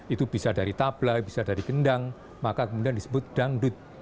itu bisa dari tabla bisa dari gendang maka kemudian disebut dangdut